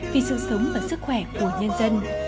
vì sự sống và sức khỏe của nhân dân